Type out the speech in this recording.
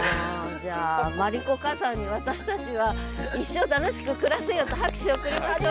じゃあマリコカザンに私たちは一生楽しく暮らせよと拍手をおくりましょう。